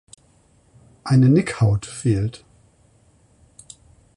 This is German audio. Eine Nickhaut fehlt.